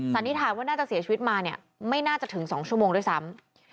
สันนิษฐานว่าน่าจะเสียชีวิตมาเนี่ยไม่น่าจะถึง๒ชั่วโมงด้วยซ้ำ